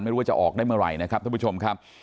ไม่รู้ว่าจะออกได้เมื่อไหร่นะครับท่านผู้ชมครับ